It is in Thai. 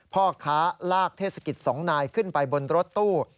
พ่อค้าลากเทศกิจ๒นายขึ้นไปบนรถตู้